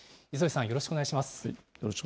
よろしくお願いします。